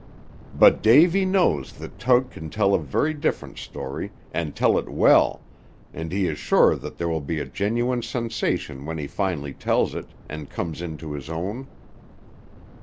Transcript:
But Davy knows that Tug can tell a very different story, and tell it well, and he is sure that there will be a genuine sensation when he finally tells it, and comes into his own.